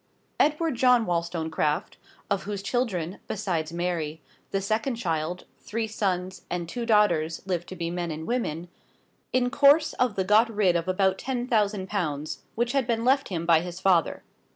Edward John Wollstonecraft of whose children, besides Mary, the second child, three sons and two daughters lived to be men and women in course of time got rid of about ten thousand pounds, which had been left him by his father.